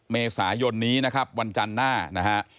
เมษายนนี้นะครับวันจันทร์หน้านะฮะ